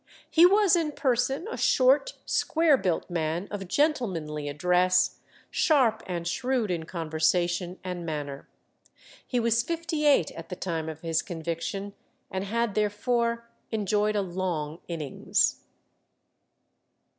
He was in person a short, square built man of gentlemanly address, sharp and shrewd in conversation and manner. He was fifty eight at the time of his conviction, and had therefore enjoyed a long innings.